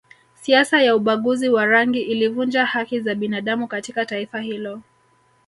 Siasa ya ubaguzi wa rangi ilivunja haki za binadamu katika taifa hilo